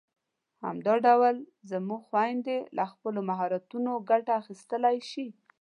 همدا ډول زموږ خويندې له خپلو مهارتونو ګټه اخیستلای شي.